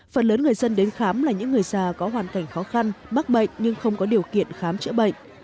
phần lớn người dân đến khám là những người già có hoàn cảnh khó khăn mắc bệnh nhưng không có điều kiện khám chữa bệnh